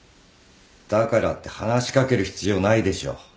だからって話し掛ける必要ないでしょ。